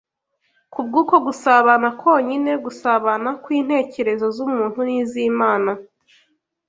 Kubw’uko gusabana konyine gusabana kw’intekerezo z’umuntu n’iz’Imana